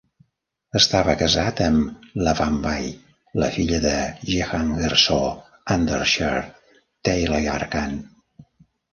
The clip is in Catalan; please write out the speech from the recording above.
Estava casat amb l'Avambai, la filla de Jehangirshaw Ardeshir Taleyarkhan.